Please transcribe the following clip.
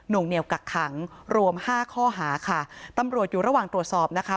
วงเหนียวกักขังรวมห้าข้อหาค่ะตำรวจอยู่ระหว่างตรวจสอบนะคะ